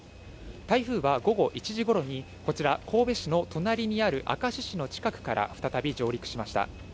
台風は午後１時ごろにこちら、神戸市の隣にある明石市の近くから再び上陸しました。